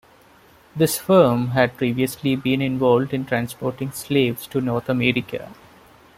This firm had previously been involved in transporting slaves to North America.